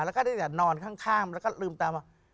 แล้วก็ได้แต่นอนข้างแล้วก็ลืมตามา